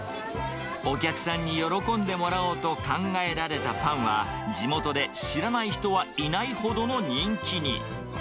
お客さんに喜んでもらおうと考えられたパンは、地元で知らない人はいないほどの人気に。